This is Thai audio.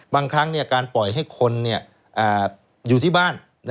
บางครั้งการปล่อยให้คนอยู่ที่บ้าน